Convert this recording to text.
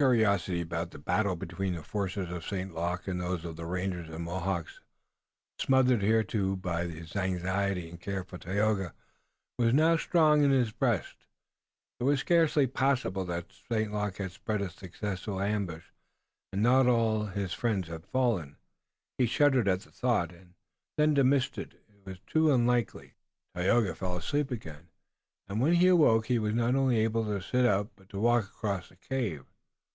Curiosity about the battle between the forces of St. Luc and those of the rangers and Mohawks, smothered hitherto by his anxiety and care for Tayoga, was now strong in his breast. It was barely possible that St. Luc had spread a successful ambush and that all of his friends had fallen. He shuddered at the thought, and then dismissed it as too unlikely. Tayoga fell asleep again, and when he awoke he was not only able to sit up, but to walk across the cave.